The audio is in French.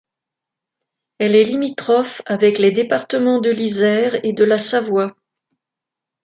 Elle est limitrophe avec les départements de l'Isère et de la Savoie.